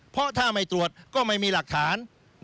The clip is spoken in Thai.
เพราะถ้าไม่ตรวจก็ไม่มีหลักฐาน